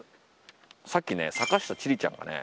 さっきね、坂下千里ちゃんがね